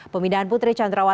pemindahan putri chandra wati